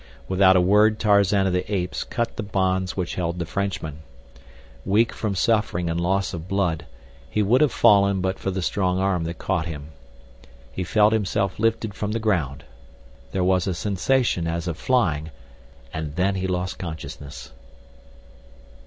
Without a word Tarzan of the Apes cut the bonds which held the Frenchman. Weak from suffering and loss of blood, he would have fallen but for the strong arm that caught him. He felt himself lifted from the ground. There was a sensation as of flying, and then he lost consciousness.